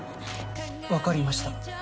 わかりました。